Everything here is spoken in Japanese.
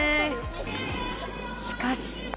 しかし。